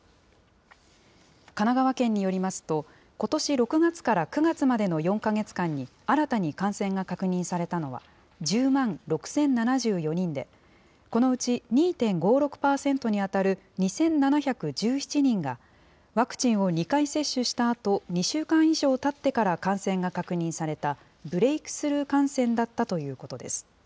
神奈川県によりますと、ことし６月から９月までの４か月間に新たに感染が確認されたのは１０万６０７４人で、このうち２．５６％に当たる２７１７人が、ワクチンを２回接種したあと、２週間以上たってから感染が確認されたブレイクスルー感染だったということです。